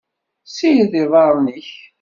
Ssired iḍarren-ik.